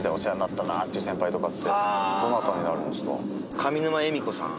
上沼恵美子さん。